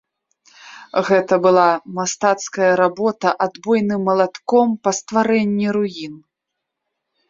Гэта была мастацкая работа адбойным малатком па стварэнні руін.